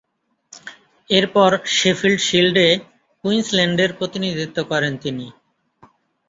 এরপর, শেফিল্ড শিল্ডে কুইন্সল্যান্ডের প্রতিনিধিত্ব করেন তিনি।